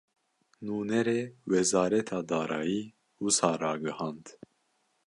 Nûnerê Wezareta Darayî, wisa ragihand